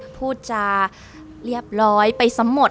พูดจาเรียบร้อยไปซ้ำหมด